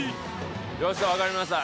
よっしゃわかりました。